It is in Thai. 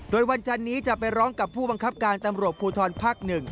โดยวันจันนี้จะไปร้องกับผู้บังคับการตำรวจภูทรภาค๑